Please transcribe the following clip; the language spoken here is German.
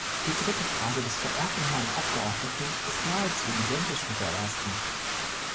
Die dritte Frage des verehrten Herrn Abgeordneten ist nahezu identisch mit der ersten.